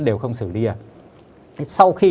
đều không sử lý sau khi